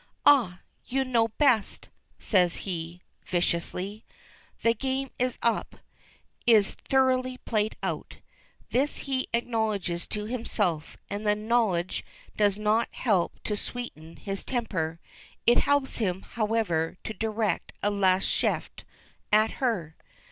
"Ah! you know best!" says he, viciously. The game is up is thoroughly played out. This he acknowledges to himself, and the knowledge does not help to sweeten his temper. It helps him, however, to direct a last shaft at her.